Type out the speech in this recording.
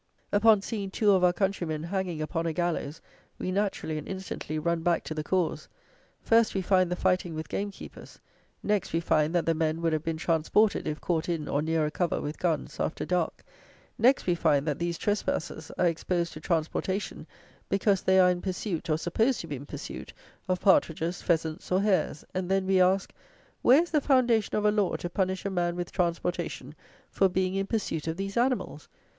Upon seeing two of our countrymen hanging upon a gallows, we naturally, and instantly, run back to the cause. First we find the fighting with gamekeepers; next we find that the men would have been transported if caught in or near a cover with guns, after dark; next we find that these trespassers are exposed to transportation because they are in pursuit, or supposed to be in pursuit, of partridges, pheasants, or hares; and then, we ask, where is the foundation of a law to punish a man with transportation for being in pursuit of these animals?